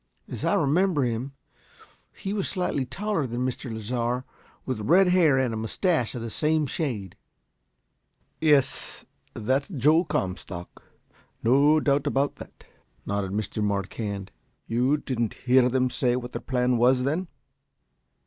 "As I remember him, he was slightly taller than Mr. Lasar, with red hair and a moustache of the same shade." "Yes, that's Joe Comstock. No doubt about that," nodded Mr. Marquand. "You didn't hear them say what their plan was, then?"